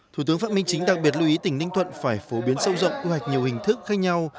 thủ tướng phạm minh chính đặc biệt lưu ý tỉnh ninh thuận phải phổ biến sâu rộng quy hoạch nhiều hình thức khác nhau